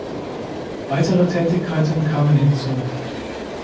Weitere Tätigkeiten kamen hinzu.